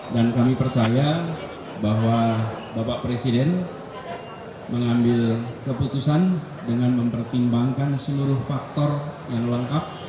dan kami percaya bahwa bapak presiden mengambil keputusan dengan mempertimbangkan seluruh faktor yang lengkap